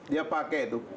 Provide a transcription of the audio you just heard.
dia pakai tuh